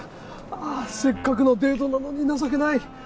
ああせっかくのデートなのに情けない。